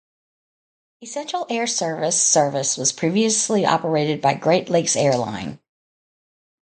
Essential Air Service service was previously operated by Great Lakes Airlines.